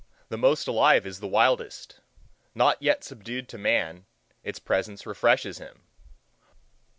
The most alive is the wildest. Not yet subdued to man, its presence refreshes him.